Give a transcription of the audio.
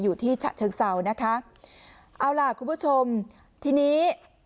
ฉะเชิงเศร้านะคะเอาล่ะคุณผู้ชมทีนี้